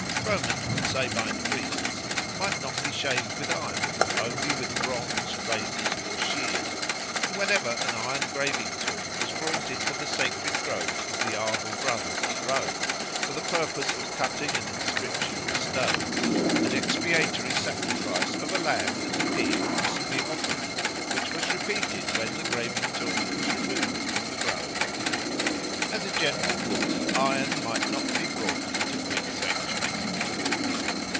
Roman and Sabine priests might not be shaved with iron but only with bronze razors or shears; and whenever an iron graving tool was brought into the sacred grove of the Arval Brothers at Rome for the purpose of cutting an inscription in stone, an expiatory sacrifice of a lamb and a pig must be offered, which was repeated when the graving tool was removed from the grove. As a general rule iron might not be brought into Greek sanctuaries.